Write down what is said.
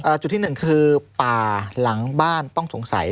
อ่าจุดที่๑คือป่าหลังบ้านต้องสงสัย